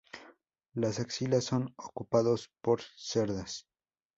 Las axilas son ocupados por cerdas.